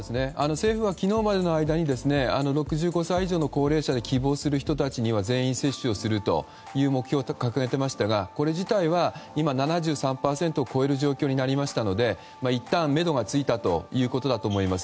政府は昨日までの間に６５歳以上の高齢者で希望する人たちには全員接種するという目標を掲げていましたがこれ自体は７３％を超える状況になりましたのでいったん、めどがついたということだと思います。